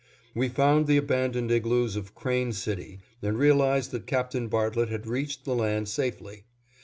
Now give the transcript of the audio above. We found the abandoned igloos of Crane City and realized that Captain Bartlett had reached the land safely.